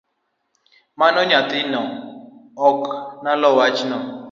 Mano nyathino ok nolo wachno